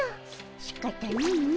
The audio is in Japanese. しかたないの。